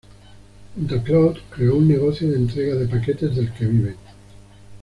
Junto a Cloud creó un negocio de entrega de paquetes del que viven.